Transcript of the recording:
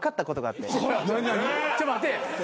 ちょっと待って。